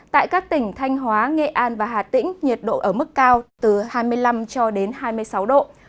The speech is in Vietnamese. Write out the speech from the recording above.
tại các tỉnh thanh hóa nghệ an và hà tĩnh nhiệt độ ở mức cao từ hai mươi năm cho đến hai mươi sáu độ